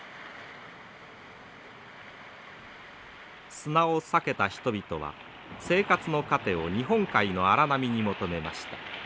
砂を避けた人々は生活の糧を日本海の荒波に求めました。